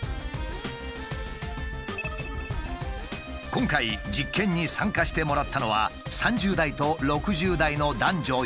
今回実験に参加してもらったのは３０代と６０代の男女４名。